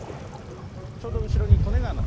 ちょうど後ろに利根川の。